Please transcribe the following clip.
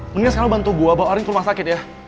mendingan sekali lo bantu gue bawa arin ke rumah sakit ya